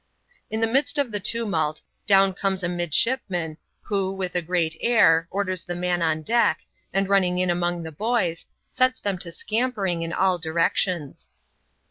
In the midst of the tumult, down comes a midshipman, who, with a great air, orders the man on deck, and mnning in among the boys, sets them to scampering in all directions.